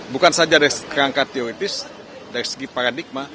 bukan saja dari kerangka teoritis dari segi paradigma